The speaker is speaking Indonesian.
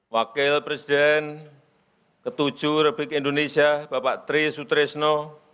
wakil presiden ke tujuh republik indonesia bapak tri sutresno